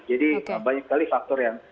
jadi banyak sekali faktor yang